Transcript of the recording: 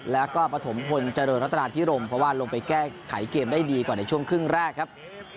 แล้วก็ปฐมพลเจริญรัฐนาพิรมเพราะว่าลงไปแก้ไขเกมได้ดีกว่าในช่วงครึ่งแรกครับ